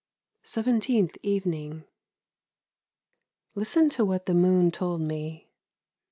SEVENTEENTH EVENING Listen to what the moon told me.